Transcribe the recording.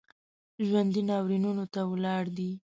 ژوندي ناورینونو ته ولاړ دي